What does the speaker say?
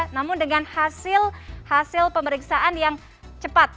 namun dengan hasil pemeriksaan yang cepat